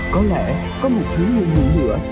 có lẽ có một thí nghiệm hữu lửa